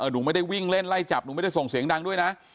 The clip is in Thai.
หนูไม่ได้วิ่งเล่นไล่จับหนูไม่ได้ส่งเสียงดังด้วยนะ